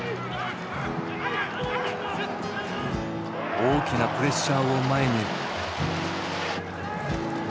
大きなプレッシャーを前に。